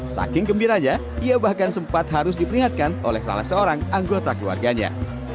saking gembiranya ia bahkan sempat harus diperingatkan oleh salah seorang anggota keluarganya